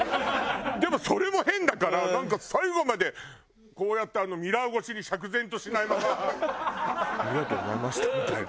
でもそれも変だからなんか最後までこうやってミラー越しに釈然としないまま「ありがとうございました」みたいな。